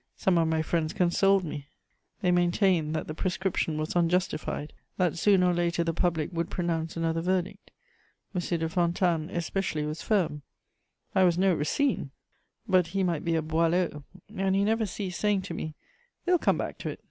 Some of my friends consoled me; they maintained that the proscription was unjustified, that sooner or later the public would pronounce another verdict: M. de Fontanes especially was firm; I was no Racine, but he might be a Boileau, and he never ceased saying to me: "They'll come back to it."